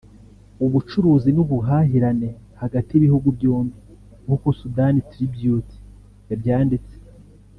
ubucuruzi n’ubuhahirane hagati y’ibihugu byombi nk’uko Sudani Tribute yabyanditse